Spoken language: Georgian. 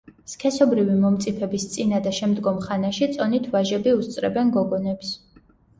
სქესობრივი მომწიფების წინა და შემდგომ ხანაში წონით ვაჟები უსწრებენ გოგონებს.